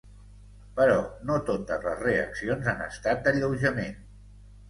Però no totes les reaccions han estat d’alleujament.